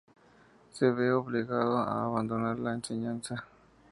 Se ve obligado a abandonar la enseñanza.